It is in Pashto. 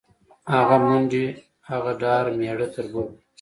هغه منډې، هغه ډار میړه تربور دی